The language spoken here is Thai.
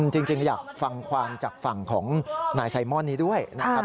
จริงอยากฟังความจากฝั่งของนายไซมอนนี้ด้วยนะครับ